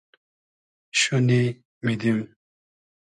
شونی میدیم